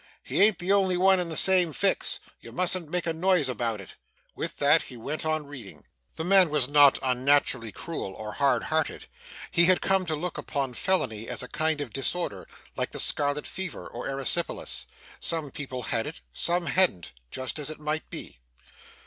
He ain't the only one in the same fix. You mustn't make a noise about it!' With that he went on reading. The man was not unnaturally cruel or hard hearted. He had come to look upon felony as a kind of disorder, like the scarlet fever or erysipelas: some people had it some hadn't just as it might be.